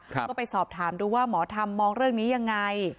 ก็ไปสอบถามดูว่าหมอธรรมมองเรื่องนี้ยังไง